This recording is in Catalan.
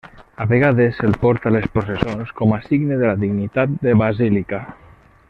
A vegades se'l porta a les processons com a signe de la dignitat de basílica.